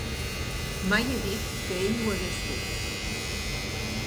Mai he dit que ell ho hagués fet.